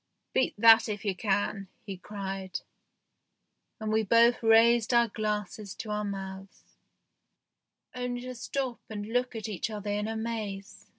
" Beat that if you can !" he cried, and we both raised our glasses to our mouths, only to stop half way and look at each other in amaze.